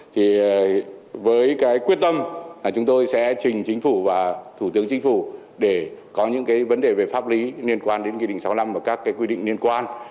thì với cái quyết tâm chúng tôi sẽ trình chính phủ và thủ tướng chính phủ để có những cái vấn đề về pháp lý liên quan đến nghị định sáu mươi năm và các cái quy định liên quan